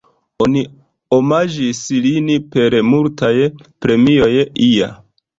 Oni omaĝis lin per multaj premioj, ia.